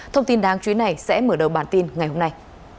thông tin đáng chú ý này sẽ mở đầu bản tin ngày hôm nay